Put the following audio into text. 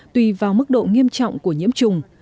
tùy vào mức độ nghiêm trọng của nhiễm chủng